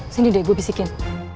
sini deh gue pisikin